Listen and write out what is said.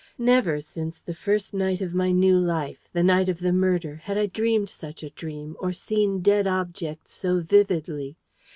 Never since the first night of my new life the night of the murder had I dreamed such a dream, or seen dead objects so vividly.